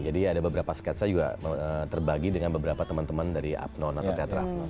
jadi ya ada beberapa sketsa juga terbagi dengan beberapa teman teman dari apnon atau teater apnon